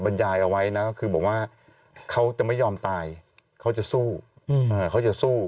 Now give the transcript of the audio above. บรรยายเอาไว้นะก็คือบอกว่าเขาจะไม่ยอมตายเขาจะสู้เขาจะสู้